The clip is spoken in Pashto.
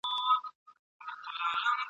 د واسکټ شیطانان !.